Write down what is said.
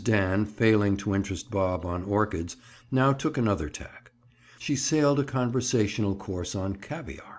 Dan, failing to interest Bob on orchids, now took another tack. She sailed a conversational course on caviar.